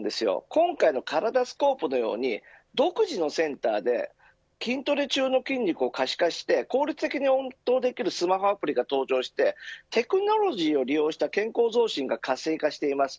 今回のカラダスコープのように独自のセンサーで筋トレ中の筋肉を可視化して効率的に運動できるスマホアプリが登場してテクノロジーを利用した健康増進が活性化しています。